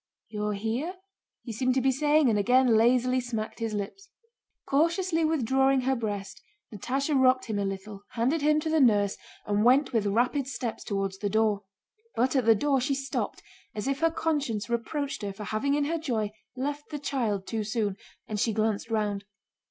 "You're here?" he seemed to be saying, and again lazily smacked his lips. Cautiously withdrawing her breast, Natásha rocked him a little, handed him to the nurse, and went with rapid steps toward the door. But at the door she stopped as if her conscience reproached her for having in her joy left the child too soon, and she glanced round.